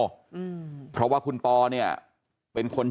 อืมเพราะว่าคุณปอเนี่ยเป็นคน